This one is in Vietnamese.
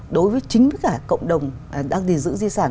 đối với chính cả cộng đồng đang gìn giữ di sản